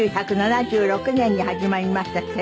１９７６年に始まりました